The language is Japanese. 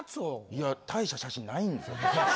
いや大した写真ないんですよ。